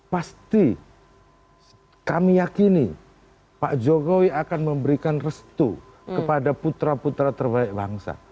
pasti kami yakini pak jokowi akan memberikan restu kepada putra putra terbaik bangsa